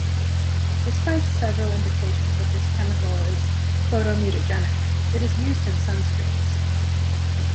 Despite several indications that this chemical is photomutagenic, it is used in sunscreens.